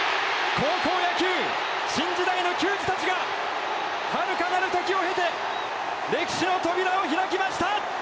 高校野球新時代の球児たちが遥かなる時を経て歴史の扉を開きました！